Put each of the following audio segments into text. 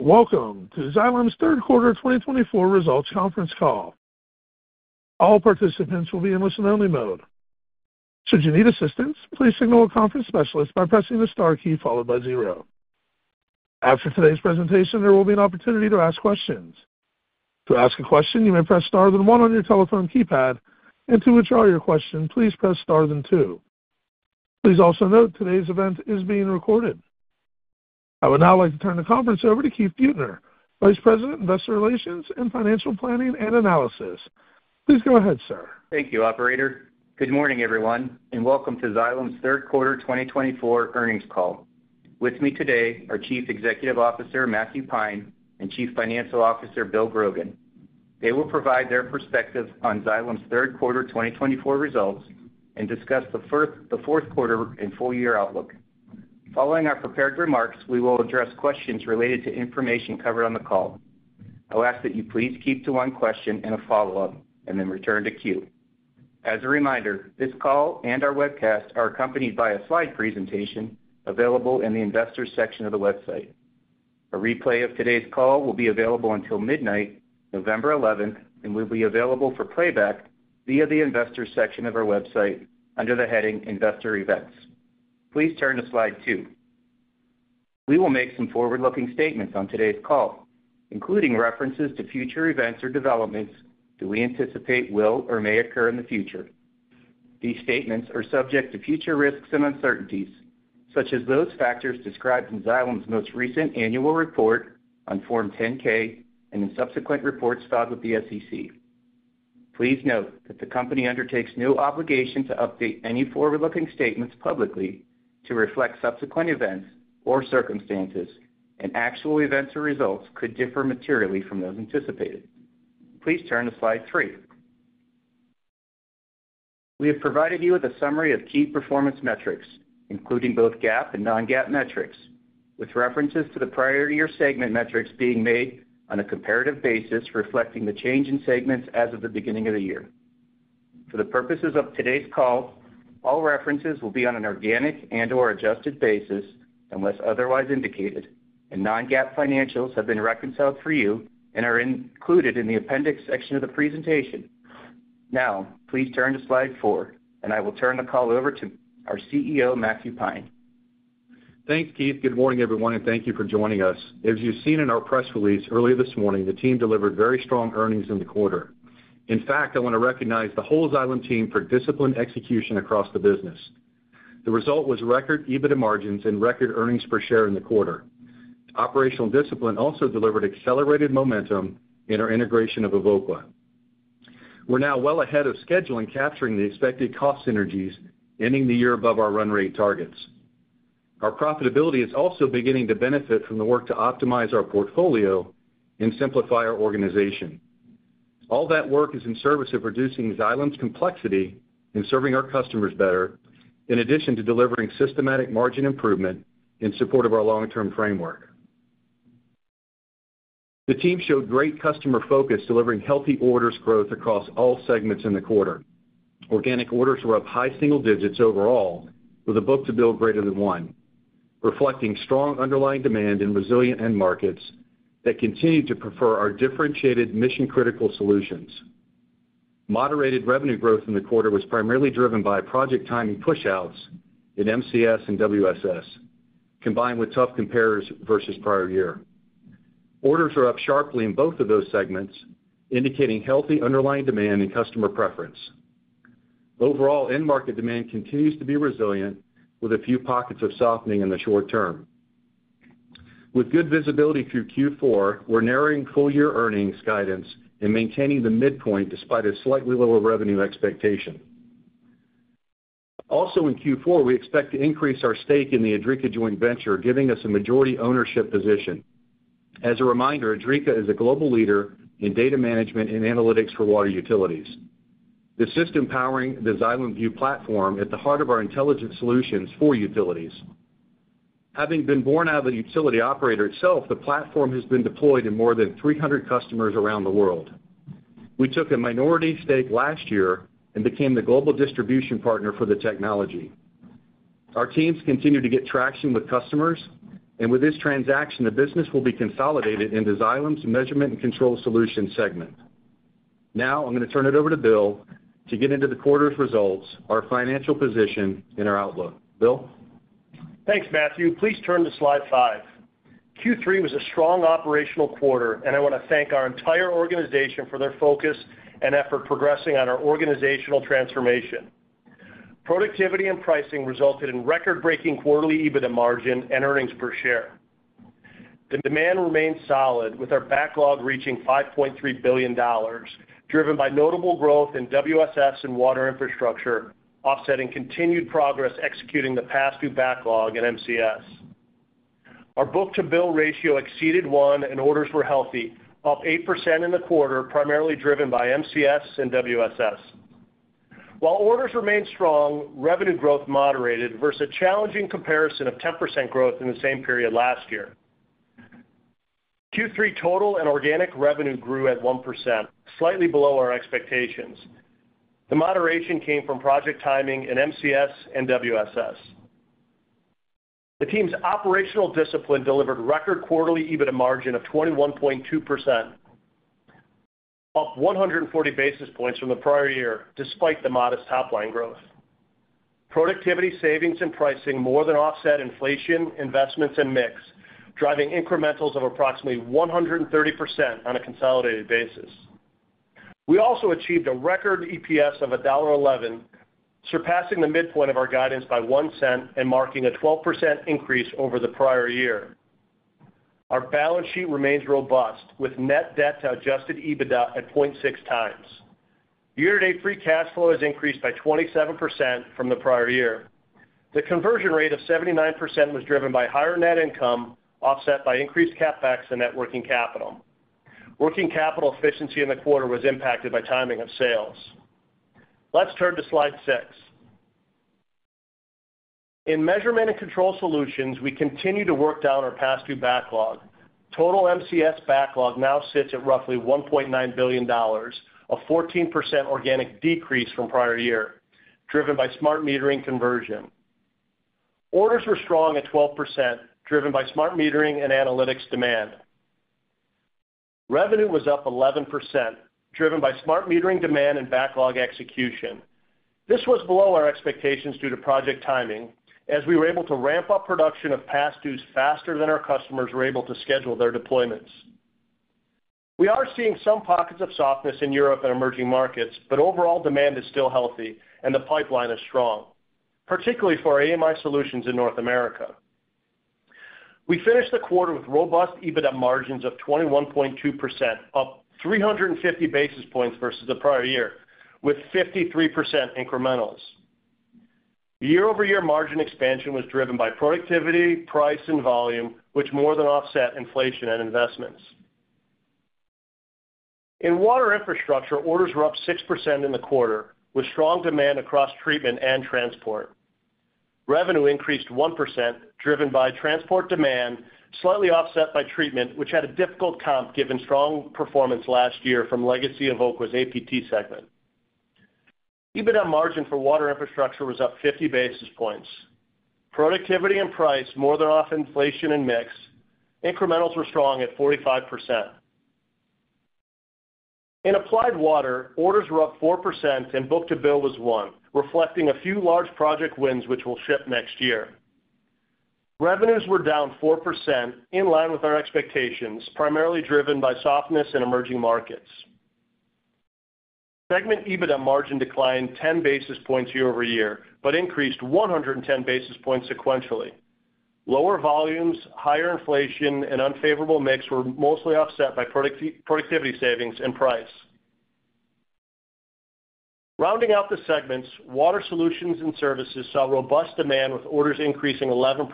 Welcome to Xylem's third quarter 2024 results conference call. All participants will be in listen-only mode. Should you need assistance, please signal a conference specialist by pressing the star key followed by zero. After today's presentation, there will be an opportunity to ask questions. To ask a question, you may press star then one on your telephone keypad, and to withdraw your question, please press star then two. Please also note today's event is being recorded. I would now like to turn the conference over to Keith Buettner, Vice President, Investor Relations and Financial Planning and Analysis. Please go ahead, sir. Thank you, Operator. Good morning, everyone, and welcome to Xylem's third quarter 2024 earnings call. With me today are Chief Executive Officer Matthew Pine and Chief Financial Officer Bill Grogan. They will provide their perspective on Xylem's third quarter 2024 results and discuss the fourth quarter and full-year outlook. Following our prepared remarks, we will address questions related to information covered on the call. I'll ask that you please keep to one question and a follow-up, and then return to queue. As a reminder, this call and our webcast are accompanied by a slide presentation available in the investor section of the website. A replay of today's call will be available until midnight, November 11th, and will be available for playback via the investor section of our website under the heading Investor Events. Please turn to slide two. We will make some forward-looking statements on today's call, including references to future events or developments that we anticipate will or may occur in the future. These statements are subject to future risks and uncertainties, such as those factors described in Xylem's most recent annual report on Form 10-K and in subsequent reports filed with the SEC. Please note that the company undertakes no obligation to update any forward-looking statements publicly to reflect subsequent events or circumstances, and actual events or results could differ materially from those anticipated. Please turn to slide three. We have provided you with a summary of key performance metrics, including both GAAP and non-GAAP metrics, with references to the prior-year segment metrics being made on a comparative basis reflecting the change in segments as of the beginning of the year. For the purposes of today's call, all references will be on an organic and/or adjusted basis unless otherwise indicated, and non-GAAP financials have been reconciled for you and are included in the appendix section of the presentation. Now, please turn to slide four, and I will turn the call over to our CEO, Matthew Pine. Thanks, Keith. Good morning, everyone, and thank you for joining us. As you've seen in our press release earlier this morning, the team delivered very strong earnings in the quarter. In fact, I want to recognize the whole Xylem team for disciplined execution across the business. The result was record EBITDA margins and record earnings per share in the quarter. Operational discipline also delivered accelerated momentum in our integration of Evoqua. We're now well ahead of schedule and capturing the expected cost synergies, ending the year above our run rate targets. Our profitability is also beginning to benefit from the work to optimize our portfolio and simplify our organization. All that work is in service of reducing Xylem's complexity and serving our customers better, in addition to delivering systematic margin improvement in support of our long-term framework. The team showed great customer focus, delivering healthy orders growth across all segments in the quarter. Organic orders were up high single digits overall, with a book-to-bill greater than one, reflecting strong underlying demand in resilient end markets that continue to prefer our differentiated mission-critical solutions. Moderated revenue growth in the quarter was primarily driven by project timing push-outs in MCS and WSS, combined with tough comparatives versus prior year. Orders are up sharply in both of those segments, indicating healthy underlying demand and customer preference. Overall, end market demand continues to be resilient, with a few pockets of softening in the short term. With good visibility through Q4, we're narrowing full-year earnings guidance and maintaining the midpoint despite a slightly lower revenue expectation. Also, in Q4, we expect to increase our stake in the Idrica Joint Venture, giving us a majority ownership position. As a reminder, Idrica is a global leader in data management and analytics for water utilities. The system powering the Xylem Vue platform is at the heart of our intelligent solutions for utilities. Having been born out of the utility operator itself, the platform has been deployed in more than 300 customers around the world. We took a minority stake last year and became the global distribution partner for the technology. Our teams continue to get traction with customers, and with this transaction, the business will be consolidated into Xylem's Measurement & Control Solutions segment. Now, I'm going to turn it over to Bill to get into the quarter's results, our financial position, and our outlook. Bill? Thanks, Matthew. Please turn to slide five. Q3 was a strong operational quarter, and I want to thank our entire organization for their focus and effort progressing on our organizational transformation. Productivity and pricing resulted in record-breaking quarterly EBITDA margin and earnings per share. The demand remained solid, with our backlog reaching $5.3 billion, driven by notable growth in WSS and water infrastructure, offsetting continued progress executing the past due backlog in MCS. Our book-to-bill ratio exceeded one, and orders were healthy, up 8% in the quarter, primarily driven by MCS and WSS. While orders remained strong, revenue growth moderated versus a challenging comparison of 10% growth in the same period last year. Q3 total and organic revenue grew at 1%, slightly below our expectations. The moderation came from project timing in MCS and WSS. The team's operational discipline delivered record quarterly EBITDA margin of 21.2%, up 140 basis points from the prior year, despite the modest top-line growth. Productivity, savings, and pricing more than offset inflation, investments, and mix, driving incrementals of approximately 130% on a consolidated basis. We also achieved a record EPS of $1.11, surpassing the midpoint of our guidance by $0.01 and marking a 12% increase over the prior year. Our balance sheet remains robust, with net debt to adjusted EBITDA at 0.6 times. Year-to-date free cash flow has increased by 27% from the prior year. The conversion rate of 79% was driven by higher net income, offset by increased CapEx and net working capital. Working capital efficiency in the quarter was impacted by timing of sales. Let's turn to slide six. In Measurement and Control Solutions, we continue to work down our past due backlog. Total MCS backlog now sits at roughly $1.9 billion, a 14% organic decrease from prior year, driven by smart metering conversion. Orders were strong at 12%, driven by smart metering and analytics demand. Revenue was up 11%, driven by smart metering demand and backlog execution. This was below our expectations due to project timing, as we were able to ramp up production of past dues faster than our customers were able to schedule their deployments. We are seeing some pockets of softness in Europe and emerging markets, but overall demand is still healthy, and the pipeline is strong, particularly for AMI solutions in North America. We finished the quarter with robust EBITDA margins of 21.2%, up 350 basis points versus the prior year, with 53% incrementals. Year-over-year margin expansion was driven by productivity, price, and volume, which more than offset inflation and investments. In Water Infrastructure, orders were up 6% in the quarter, with strong demand across treatment and transport. Revenue increased 1%, driven by transport demand, slightly offset by treatment, which had a difficult comp given strong performance last year from Legacy Evoqua's APT segment. EBITDA margin for Water Infrastructure was up 50 basis points. Productivity and price more than offset inflation and mix. Incrementals were strong at 45%. In Applied Water, orders were up 4%, and book-to-bill was one, reflecting a few large project wins which will ship next year. Revenues were down 4%, in line with our expectations, primarily driven by softness in emerging markets. Segment EBITDA margin declined 10 basis points year over year, but increased 110 basis points sequentially. Lower volumes, higher inflation, and unfavorable mix were mostly offset by productivity savings and price. Rounding out the segments, Water Solutions and Services saw robust demand, with orders increasing 11%,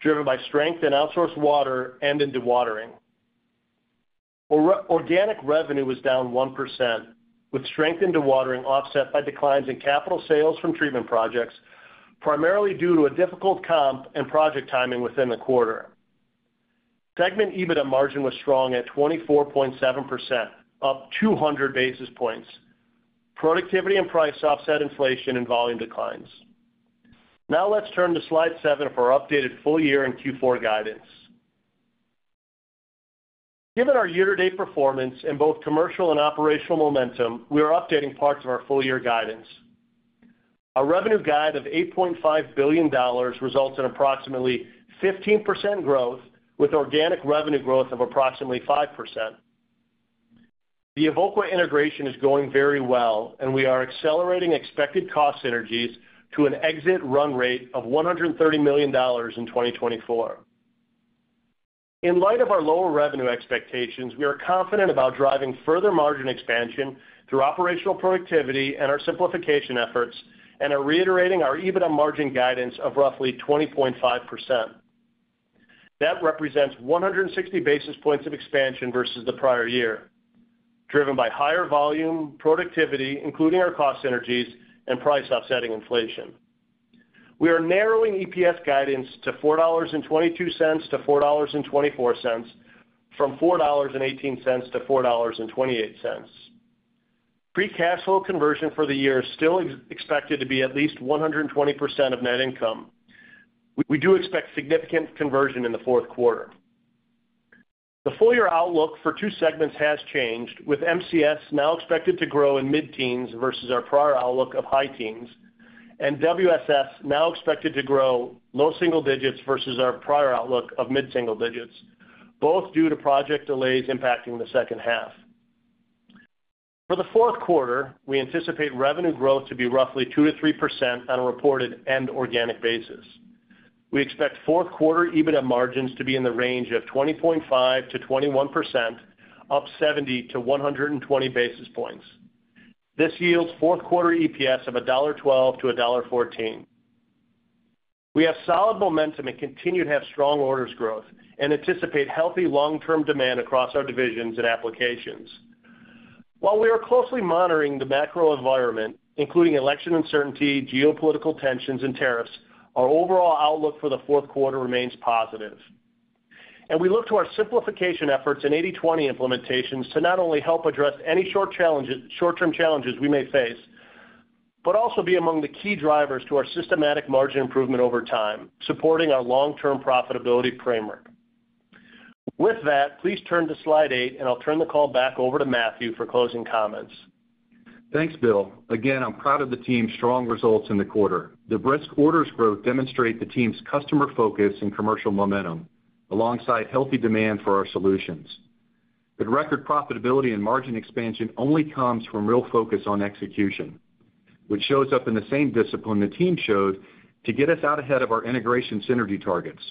driven by strength in outsourced water and in dewatering. Organic revenue was down 1%, with strength in dewatering offset by declines in capital sales from treatment projects, primarily due to a difficult comp and project timing within the quarter. Segment EBITDA margin was strong at 24.7%, up 200 basis points. Productivity and price offset inflation and volume declines. Now, let's turn to slide seven for our updated full-year and Q4 guidance. Given our year-to-date performance in both commercial and operational momentum, we are updating parts of our full-year guidance. Our revenue guide of $8.5 billion results in approximately 15% growth, with organic revenue growth of approximately 5%. The Evoqua integration is going very well, and we are accelerating expected cost synergies to an exit run rate of $130 million in 2024. In light of our lower revenue expectations, we are confident about driving further margin expansion through operational productivity and our simplification efforts, and are reiterating our EBITDA margin guidance of roughly 20.5%. That represents 160 basis points of expansion versus the prior year, driven by higher volume, productivity, including our cost synergies, and price offsetting inflation. We are narrowing EPS guidance to $4.22-$4.24, from $4.18-$4.28. Free cash flow conversion for the year is still expected to be at least 120% of net income. We do expect significant conversion in the fourth quarter. The full-year outlook for two segments has changed, with MCS now expected to grow in mid-teens versus our prior outlook of high teens, and WSS now expected to grow low single digits versus our prior outlook of mid-single digits, both due to project delays impacting the second half. For the fourth quarter, we anticipate revenue growth to be roughly 2%-3% on a reported and organic basis. We expect fourth quarter EBITDA margins to be in the range of 20.5%-21%, up 70-120 basis points. This yields fourth quarter EPS of $1.12-$1.14. We have solid momentum and continue to have strong orders growth and anticipate healthy long-term demand across our divisions and applications. While we are closely monitoring the macro environment, including election uncertainty, geopolitical tensions, and tariffs, our overall outlook for the fourth quarter remains positive, and we look to our simplification efforts and 80/20 implementations to not only help address any short-term challenges we may face, but also be among the key drivers to our systematic margin improvement over time, supporting our long-term profitability framework. With that, please turn to slide eight, and I'll turn the call back over to Matthew for closing comments. Thanks, Bill. Again, I'm proud of the team's strong results in the quarter. The brisk orders growth demonstrates the team's customer focus and commercial momentum, alongside healthy demand for our solutions. The record profitability and margin expansion only comes from real focus on execution, which shows up in the same discipline the team showed to get us out ahead of our integration synergy targets.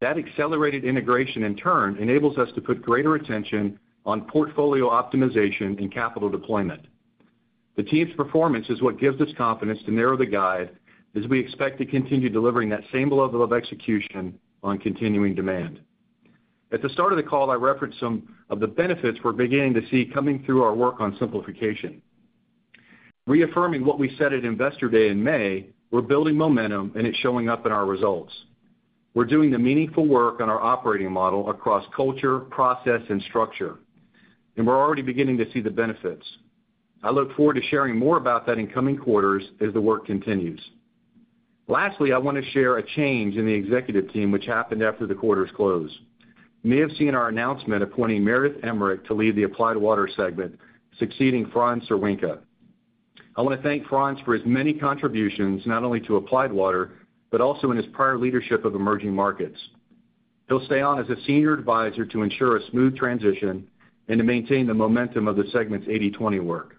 That accelerated integration, in turn, enables us to put greater attention on portfolio optimization and capital deployment. The team's performance is what gives us confidence to narrow the guide, as we expect to continue delivering that same level of execution on continuing demand. At the start of the call, I referenced some of the benefits we're beginning to see coming through our work on simplification. Reaffirming what we said at investor day in May, we're building momentum, and it's showing up in our results. We're doing the meaningful work on our operating model across culture, process, and structure, and we're already beginning to see the benefits. I look forward to sharing more about that in coming quarters as the work continues. Lastly, I want to share a change in the executive team, which happened after the quarter's close. You may have seen our announcement appointing Meredith Emmerich to lead the Applied Water segment, succeeding Franz Cerwinka. I want to thank Franz for his many contributions, not only to Applied Water, but also in his prior leadership of emerging markets. He'll stay on as a senior advisor to ensure a smooth transition and to maintain the momentum of the segment's 80/20 work.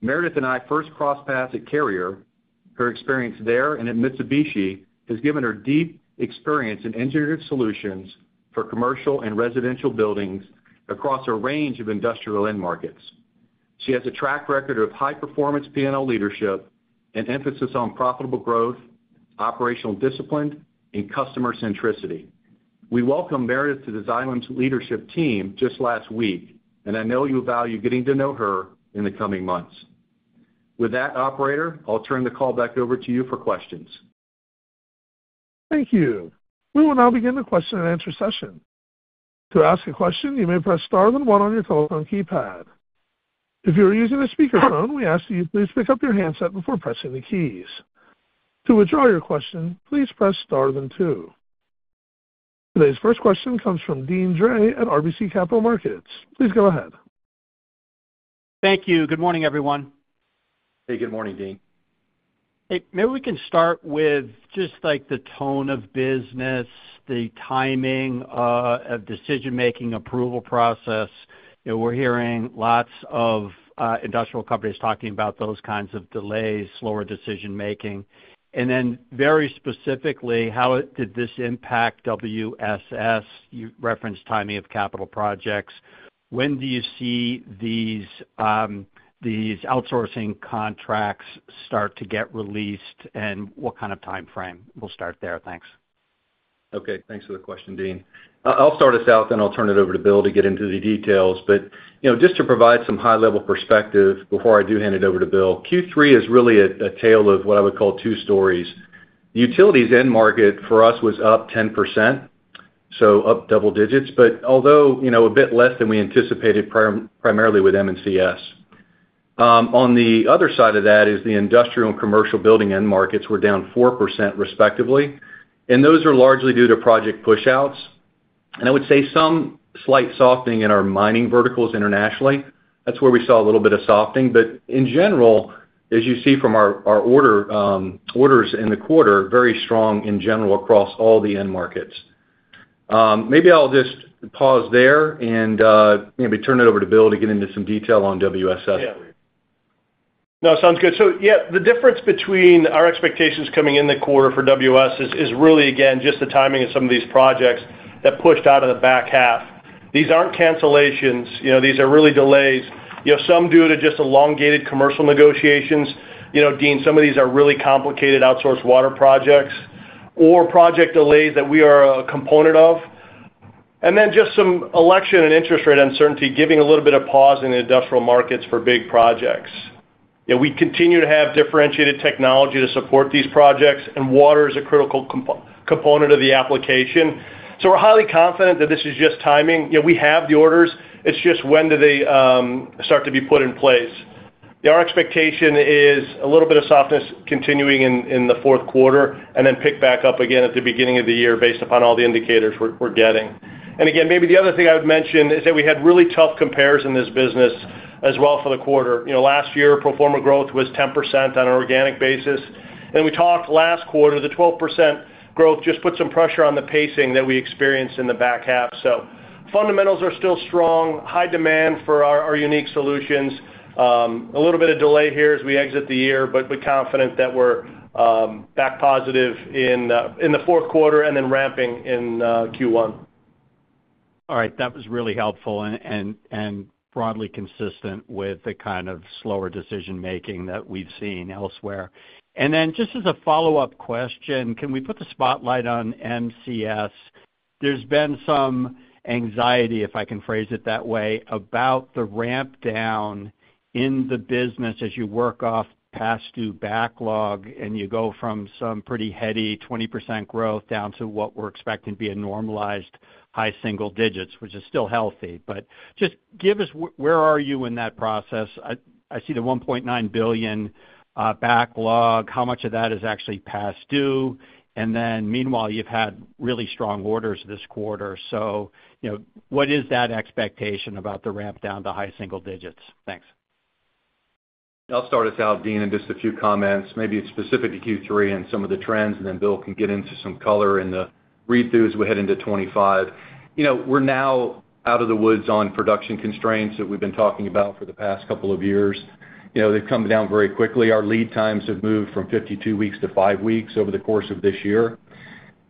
Meredith and I first crossed paths at Carrier. Her experience there and at Mitsubishi has given her deep experience in engineered solutions for commercial and residential buildings across a range of industrial end markets. She has a track record of high-performance P&L leadership and emphasis on profitable growth, operational discipline, and customer centricity. We welcomed Meredith to the Xylem's leadership team just last week, and I know you value getting to know her in the coming months. With that, operator, I'll turn the call back over to you for questions. Thank you. We will now begin the question-and-answer session. To ask a question, you may press star then one on your telephone keypad. If you are using a speakerphone, we ask that you please pick up your handset before pressing the keys. To withdraw your question, please press star then two. Today's first question comes from Deane Dray at RBC Capital Markets. Please go ahead. Thank you. Good morning, everyone. Hey, good morning, Deane. Hey, maybe we can start with just the tone of business, the timing of decision-making, approval process. We're hearing lots of industrial companies talking about those kinds of delays, slower decision-making. And then very specifically, how did this impact WSS? You referenced timing of capital projects. When do you see these outsourcing contracts start to get released, and what kind of timeframe? We'll start there. Thanks. Okay. Thanks for the question, Deane. I'll start us out, then I'll turn it over to Bill to get into the details, but just to provide some high-level perspective before I do hand it over to Bill, Q3 is really a tale of what I would call two stories. Utilities end market for us was up 10%, so up double digits, but although a bit less than we anticipated primarily with MCS. On the other side of that is the industrial and commercial building end markets were down 4% respectively, and those are largely due to project push-outs, and I would say some slight softening in our mining verticals internationally. That's where we saw a little bit of softening, but in general, as you see from our orders in the quarter, very strong in general across all the end markets. Maybe I'll just pause there and maybe turn it over to Bill to get into some detail on WSS. Yeah. No, sounds good. So yeah, the difference between our expectations coming in the quarter for WSS is really, again, just the timing of some of these projects that pushed out of the back half. These aren't cancellations. These are really delays. Some due to just elongated commercial negotiations. Deane, some of these are really complicated outsourced water projects or project delays that we are a component of. And then just some election and interest rate uncertainty giving a little bit of pause in industrial markets for big projects. We continue to have differentiated technology to support these projects, and water is a critical component of the application. So we're highly confident that this is just timing. We have the orders. It's just when do they start to be put in place? Our expectation is a little bit of softness continuing in the fourth quarter and then pick back up again at the beginning of the year based upon all the indicators we're getting. And again, maybe the other thing I would mention is that we had really tough comparison in this business as well for the quarter. Last year, pro forma growth was 10% on an organic basis. And we talked last quarter, the 12% growth just put some pressure on the pacing that we experienced in the back half. So fundamentals are still strong, high demand for our unique solutions. A little bit of delay here as we exit the year, but we're confident that we're back positive in the fourth quarter and then ramping in Q1. All right. That was really helpful and broadly consistent with the kind of slower decision-making that we've seen elsewhere. And then just as a follow-up question, can we put the spotlight on MCS? There's been some anxiety, if I can phrase it that way, about the ramp down in the business as you work off past due backlog and you go from some pretty heady 20% growth down to what we're expecting to be a normalized high single digits, which is still healthy. But just give us where are you in that process? I see the $1.9 billion backlog. How much of that is actually past due? And then meanwhile, you've had really strong orders this quarter. So what is that expectation about the ramp down to high single digits? Thanks. I'll start us out, Deane, and just a few comments, maybe specific to Q3 and some of the trends, and then Bill can get into some color and the read-through as we head into 2025. We're now out of the woods on production constraints that we've been talking about for the past couple of years. They've come down very quickly. Our lead times have moved from 52 weeks to five weeks over the course of this year,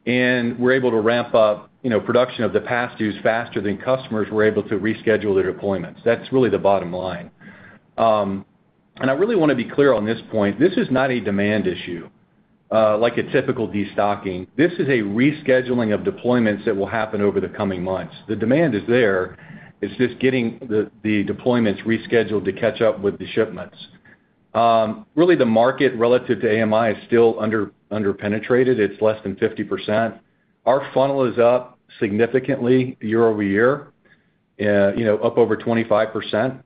and we're able to ramp up production of the past dues faster than customers were able to reschedule their deployments. That's really the bottom line, and I really want to be clear on this point. This is not a demand issue, like a typical destocking. This is a rescheduling of deployments that will happen over the coming months. The demand is there. It's just getting the deployments rescheduled to catch up with the shipments. Really, the market relative to AMI is still underpenetrated. It's less than 50%. Our funnel is up significantly year over year, up over 25%.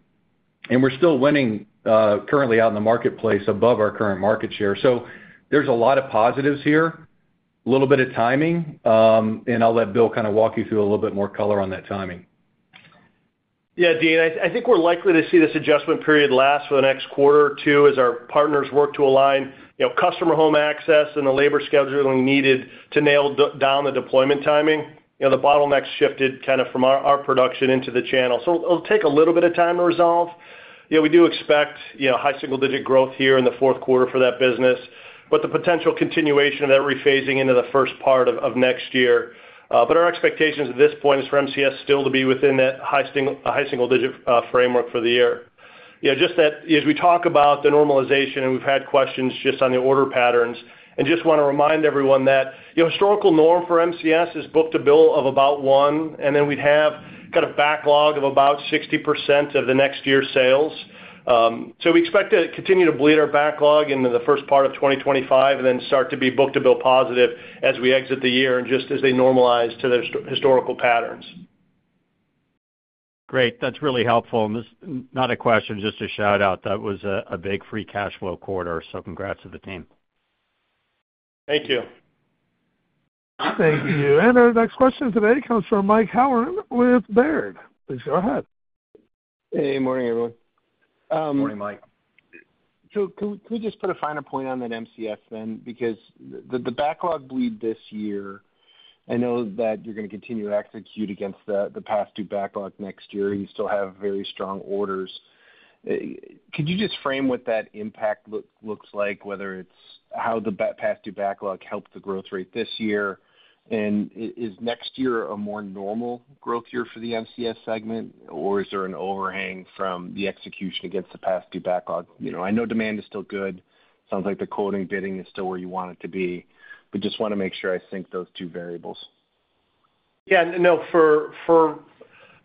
And we're still winning currently out in the marketplace above our current market share. So there's a lot of positives here, a little bit of timing. And I'll let Bill kind of walk you through a little bit more color on that timing. Yeah, Deane, I think we're likely to see this adjustment period last for the next quarter or two as our partners work to align customer home access and the labor scheduling needed to nail down the deployment timing. The bottlenecks shifted kind of from our production into the channel. So it'll take a little bit of time to resolve. We do expect high single-digit growth here in the fourth quarter for that business, but the potential continuation of that rephasing into the first part of next year. But our expectations at this point is for MCS still to be within that high single-digit framework for the year. Just that as we talk about the normalization, and we've had questions just on the order patterns, and just want to remind everyone that historical norm for MCS is book to bill of about one, and then we'd have kind of backlog of about 60% of the next year's sales. So we expect to continue to bleed our backlog into the first part of 2025 and then start to be book to bill positive as we exit the year and just as they normalize to their historical patterns. Great. That's really helpful. Not a question, just a shout-out. That was a big free cash flow quarter. So congrats to the team. Thank you. Thank you. And our next question today comes from Mike Halloran with Baird. Please go ahead. Hey, morning, everyone. Morning, Mike. So can we just put a finer point on that MCS then? Because the backlog bleed this year, I know that you're going to continue to execute against the past due backlog next year. You still have very strong orders. Could you just frame what that impact looks like, whether it's how the past due backlog helped the growth rate this year? And is next year a more normal growth year for the MCS segment, or is there an overhang from the execution against the past due backlog? I know demand is still good. Sounds like the quoting bidding is still where you want it to be. But just want to make sure I sync those two variables. Yeah. No, for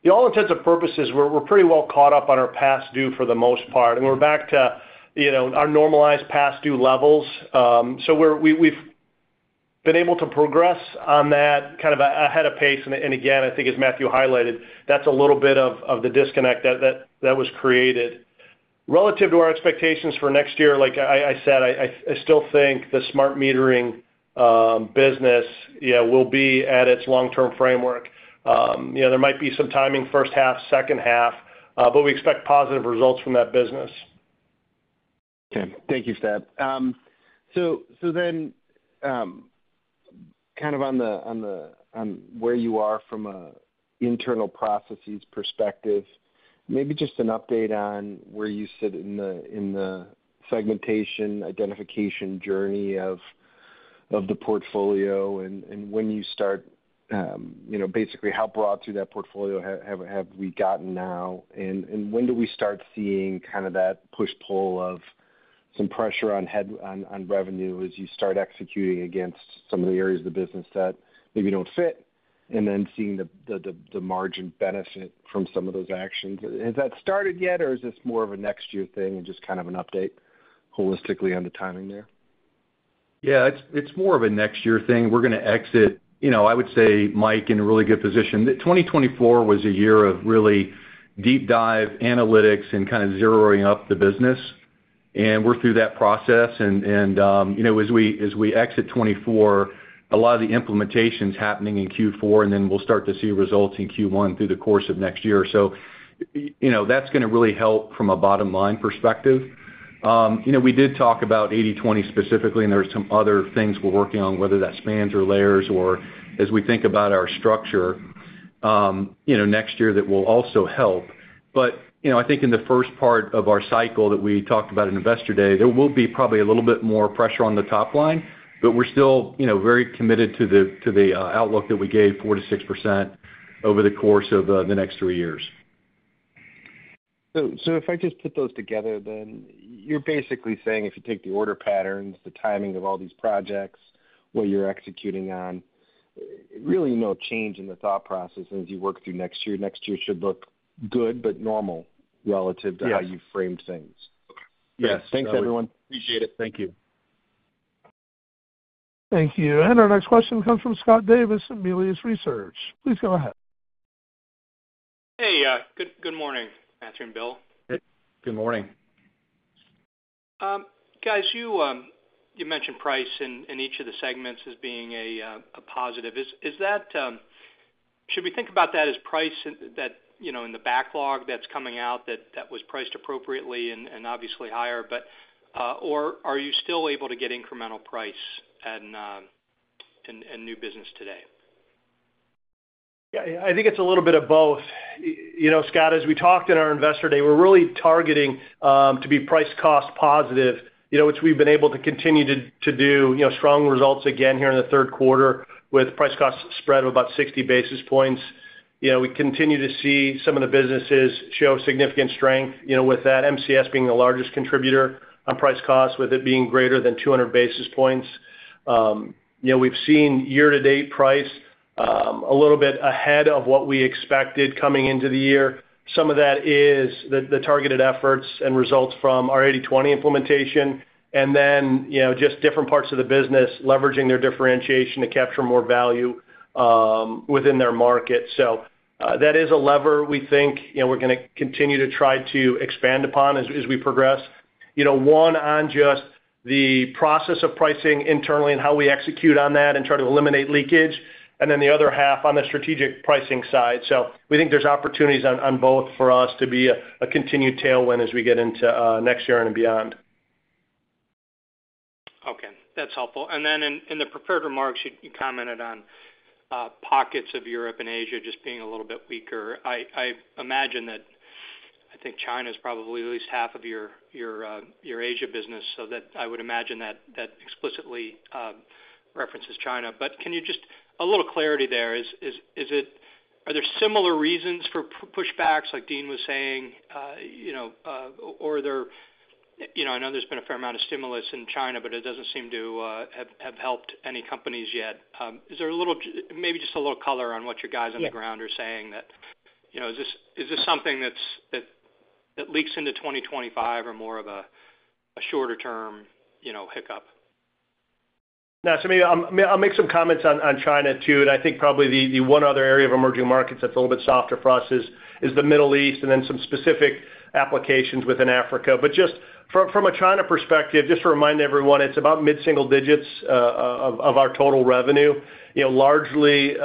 all intents and purposes, we're pretty well caught up on our past due for the most part. And we're back to our normalized past due levels. So we've been able to progress on that kind of ahead of pace. And again, I think, as Matthew highlighted, that's a little bit of the disconnect that was created. Relative to our expectations for next year, like I said, I still think the smart metering business will be at its long-term framework. There might be some timing first half, second half, but we expect positive results from that business. Okay. Thank you, Sir. So then kind of on where you are from an internal processes perspective, maybe just an update on where you sit in the segmentation identification journey of the portfolio and when you start basically how broad through that portfolio have we gotten now? And when do we start seeing kind of that push-pull of some pressure on revenue as you start executing against some of the areas of the business that maybe don't fit and then seeing the margin benefit from some of those actions? Has that started yet, or is this more of a next year thing and just kind of an update holistically on the timing there? Yeah, it's more of a next year thing. We're going to exit, I would say, Mike, in a really good position. 2024 was a year of really deep-dive analytics and kind of sizing up the business. We're through that process. As we exit 2024, a lot of the implementation is happening in Q4, and then we'll start to see results in Q1 through the course of next year. That's going to really help from a bottom-line perspective. We did talk about 80/20 specifically, and there are some other things we're working on, whether that spans or layers or as we think about our structure next year that will also help. I think in the first part of our cycle that we talked about at investor day, there will be probably a little bit more pressure on the top line, but we're still very committed to the outlook that we gave 4%-6% over the course of the next three years. So if I just put those together, then you're basically saying if you take the order patterns, the timing of all these projects, what you're executing on, really no change in the thought process as you work through next year. Next year should look good, but normal relative to how you've framed things. Yes. Thanks, everyone. Appreciate it. Thank you. Thank you. And our next question comes from Scott Davis at Melius Research. Please go ahead. Hey, good morning, Matthew and Bill. Good morning. Guys, you mentioned price in each of the segments as being a positive. Should we think about that as price in the backlog that's coming out that was priced appropriately and obviously higher, or are you still able to get incremental price and new business today? Yeah, I think it's a little bit of both. Scott, as we talked in our investor day, we're really targeting to be price-cost positive, which we've been able to continue to do strong results again here in the third quarter with price-cost spread of about 60 basis points. We continue to see some of the businesses show significant strength with that, MCS being the largest contributor on price-cost with it being greater than 200 basis points. We've seen year-to-date price a little bit ahead of what we expected coming into the year. Some of that is the targeted efforts and results from our 80/20 implementation, and then just different parts of the business leveraging their differentiation to capture more value within their market. So that is a lever we think we're going to continue to try to expand upon as we progress. One on just the process of pricing internally and how we execute on that and try to eliminate leakage, and then the other half on the strategic pricing side, so we think there's opportunities on both for us to be a continued tailwind as we get into next year and beyond. Okay. That's helpful. And then in the prepared remarks, you commented on pockets of Europe and Asia just being a little bit weaker. I imagine that I think China is probably at least half of your Asia business, so that I would imagine that explicitly references China. But can you just a little clarity there? Are there similar reasons for pushbacks, like Deane was saying, or are there? I know there's been a fair amount of stimulus in China, but it doesn't seem to have helped any companies yet. Is there maybe just a little color on what you guys on the ground are saying that is this something that leaks into 2025 or more of a shorter-term hiccup? Yeah, so I'll make some comments on China too, and I think probably the one other area of emerging markets that's a little bit softer for us is the Middle East and then some specific applications within Africa, but just from a China perspective, just to remind everyone, it's about mid-single digits of our total revenue, largely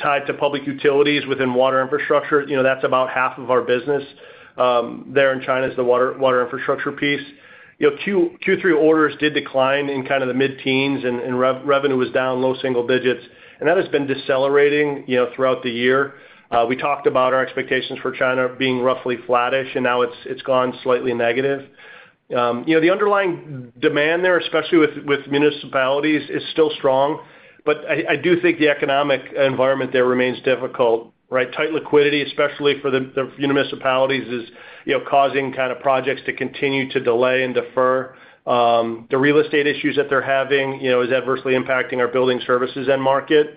tied to public utilities within Water Infrastructure. That's about half of our business there in China is the Water Infrastructure piece. Q3 orders did decline in kind of the mid-teens, and revenue was down low single digits, and that has been decelerating throughout the year. We talked about our expectations for China being roughly flattish, and now it's gone slightly negative. The underlying demand there, especially with municipalities, is still strong, but I do think the economic environment there remains difficult, right? Tight liquidity, especially for the municipalities, is causing kind of projects to continue to delay and defer. The real estate issues that they're having is adversely impacting our building services and market.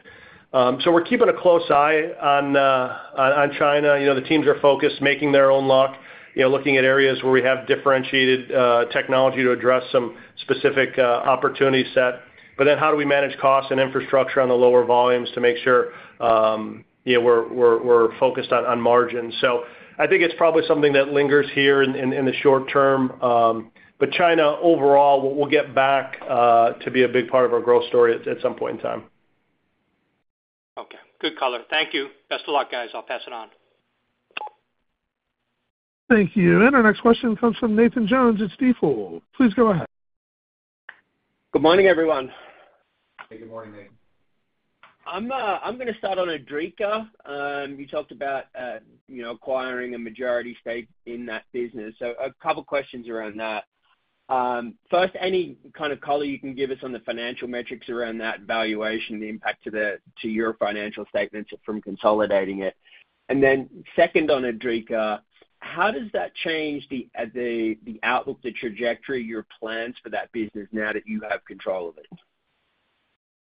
So we're keeping a close eye on China. The teams are focused, making their own luck, looking at areas where we have differentiated technology to address some specific opportunity set. But then how do we manage costs and infrastructure on the lower volumes to make sure we're focused on margin? So I think it's probably something that lingers here in the short term. But China, overall, we'll get back to be a big part of our growth story at some point in time. Okay. Good color. Thank you. Best of luck, guys. I'll pass it on. Thank you. And our next question comes from Nathan Jones at Stifel. Please go ahead. Good morning, everyone. Hey, good morning, Nathan. I'm going to start on Idrica. You talked about acquiring a majority stake in that business. So a couple of questions around that. First, any kind of color you can give us on the financial metrics around that valuation, the impact to your financial statements from consolidating it? And then second on Idrica, how does that change the outlook, the trajectory, your plans for that business now that you have control of it?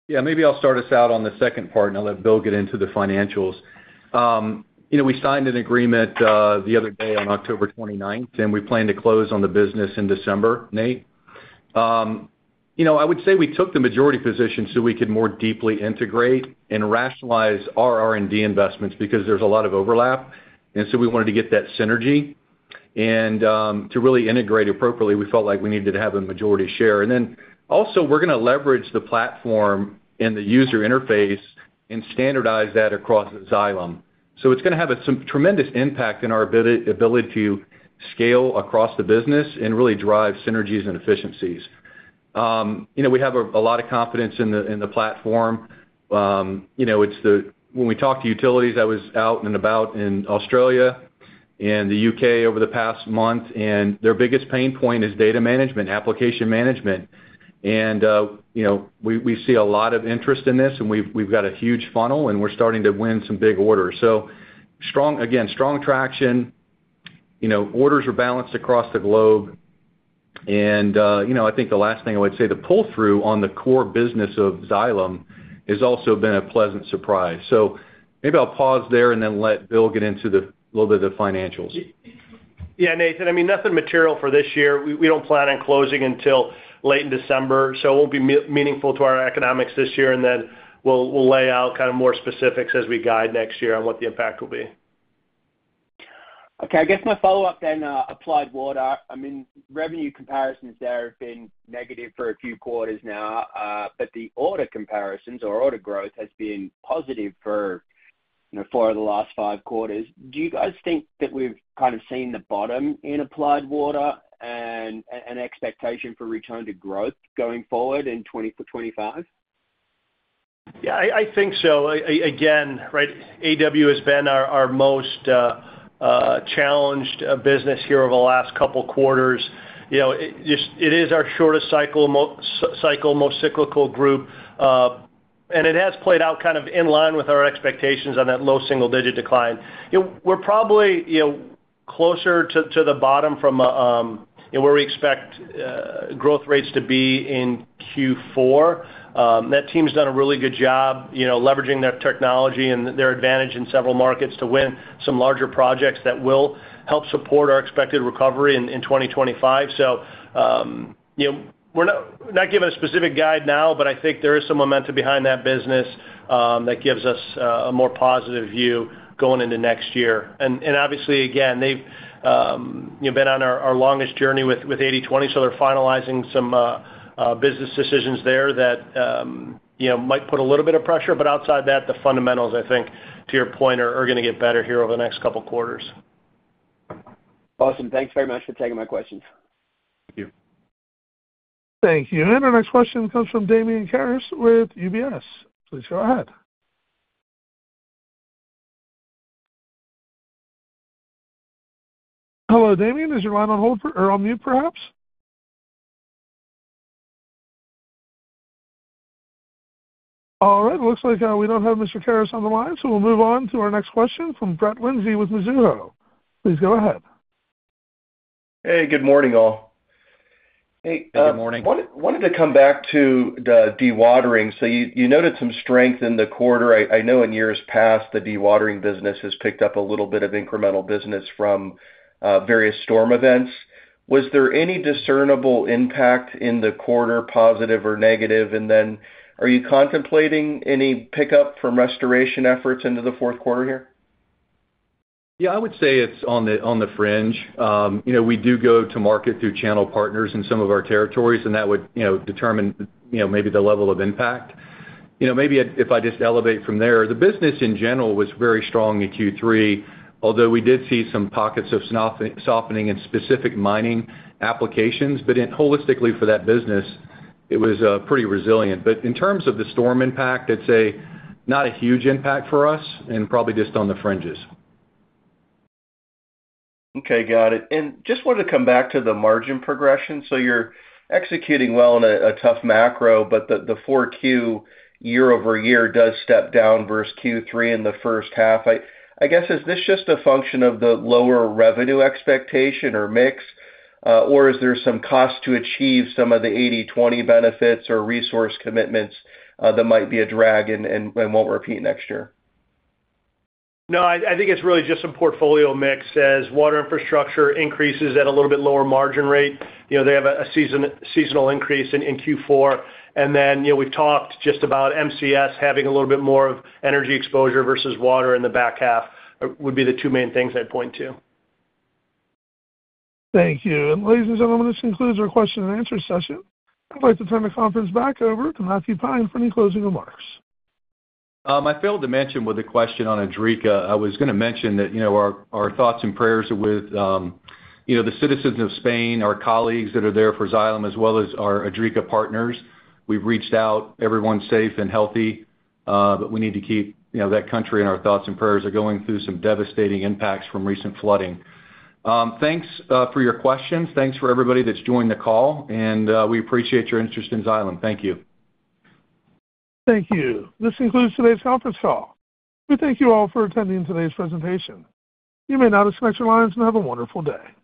Yeah, maybe I'll start us out on the second part, and I'll let Bill get into the financials. We signed an agreement the other day on October 29th, and we plan to close on the business in December, Nate. I would say we took the majority position so we could more deeply integrate and rationalize our R&D investments because there's a lot of overlap. And so we wanted to get that synergy. And to really integrate appropriately, we felt like we needed to have a majority share. And then also, we're going to leverage the platform and the user interface and standardize that across Xylem. So it's going to have a tremendous impact in our ability to scale across the business and really drive synergies and efficiencies. We have a lot of confidence in the platform. When we talked to utilities, I was out and about in Australia and the UK over the past month, and their biggest pain point is data management, application management, and we see a lot of interest in this, and we've got a huge funnel, and we're starting to win some big orders, so again, strong traction. Orders are balanced across the globe, and I think the last thing I would say, the pull-through on the core business of Xylem has also been a pleasant surprise, so maybe I'll pause there and then let Bill get into a little bit of the financials. Yeah, Nathan. I mean, nothing material for this year. We don't plan on closing until late in December, so it won't be meaningful to our economics this year, and then we'll lay out kind of more specifics as we guide next year on what the impact will be. Okay. I guess my follow-up then, Applied Water. I mean, revenue comparisons there have been negative for a few quarters now, but the order comparisons or order growth has been positive for the last five quarters. Do you guys think that we've kind of seen the bottom in Applied Water and an expectation for return to growth going forward in 2025? Yeah, I think so. Again, right, AW has been our most challenged business here over the last couple of quarters. It is our shortest cycle, most cyclical group, and it has played out kind of in line with our expectations on that low single-digit decline. We're probably closer to the bottom from where we expect growth rates to be in Q4. That team's done a really good job leveraging their technology and their advantage in several markets to win some larger projects that will help support our expected recovery in 2025. So we're not giving a specific guide now, but I think there is some momentum behind that business that gives us a more positive view going into next year. And obviously, again, they've been on our longest journey with 80/20, so they're finalizing some business decisions there that might put a little bit of pressure. But outside that, the fundamentals, I think, to your point, are going to get better here over the next couple of quarters. Awesome. Thanks very much for taking my questions. Thank you. Thank you. And our next question comes from Damian Karas with UBS. Please go ahead. Hello, Damian. Is your line on hold or on mute, perhaps? All right. Looks like we don't have Mr. Karas on the line, so we'll move on to our next question from Brett Linzey with Mizuho. Please go ahead. Hey, good morning, all. Hey. Good morning. I wanted to come back to dewatering. So you noted some strength in the quarter. I know in years past, the dewatering business has picked up a little bit of incremental business from various storm events. Was there any discernible impact in the quarter, positive or negative? And then are you contemplating any pickup from restoration efforts into the fourth quarter here? Yeah, I would say it's on the fringe. We do go to market through channel partners in some of our territories, and that would determine maybe the level of impact. Maybe if I just elevate from there, the business in general was very strong in Q3, although we did see some pockets of softening in specific mining applications. But holistically, for that business, it was pretty resilient. But in terms of the storm impact, I'd say not a huge impact for us and probably just on the fringes. Okay. Got it, and just wanted to come back to the margin progression, so you're executing well on a tough macro, but the 4Q year-over-year does step down versus Q3 in the first half. I guess, is this just a function of the lower revenue expectation or mix, or is there some cost to achieve some of the 80/20 benefits or resource commitments that might be a drag and won't repeat next year? No, I think it's really just some portfolio mix as Water Infrastructure increases at a little bit lower margin rate. They have a seasonal increase in Q4. And then we've talked just about MCS having a little bit more of energy exposure versus water in the back half would be the two main things I'd point to. Thank you. And ladies and gentlemen, this concludes our question and answer session. I'd like to turn the conference back over to Matthew Pine for any closing remarks. I failed to mention with the question on Idrica. I was going to mention that our thoughts and prayers with the citizens of Spain, our colleagues that are there for Xylem, as well as our Idrica partners. We've reached out. Everyone's safe and healthy, but we need to keep that country in our thoughts and prayers. They're going through some devastating impacts from recent flooding. Thanks for your questions. Thanks for everybody that's joined the call, and we appreciate your interest in Xylem. Thank you. Thank you. This concludes today's conference call. We thank you all for attending today's presentation. You may now disconnect your lines and have a wonderful day.